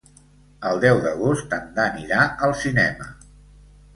El deu d'agost en Dan irà al cinema.